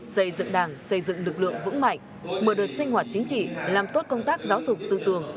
xây dựng đảng xây dựng lực lượng vững mạnh mở đợt sinh hoạt chính trị làm tốt công tác giáo dục tư tường